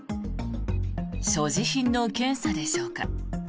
所持品の検査でしょうか。